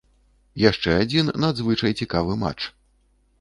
Яшчэ адзін надзвычай цікавы матч.